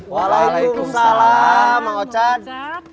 waalaikumsalam mang ocat